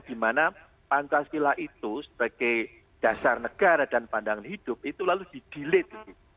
di mana pancasila itu sebagai dasar negara dan pandangan hidup itu lalu di delete